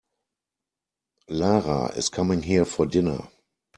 Lara is coming here for dinner.